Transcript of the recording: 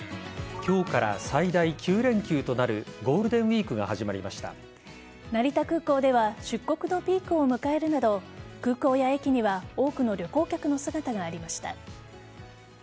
今日から最大９連休となるゴールデンウイークが成田空港では出国のピークを迎えるなど空港や駅には多くの旅行客の姿がありました。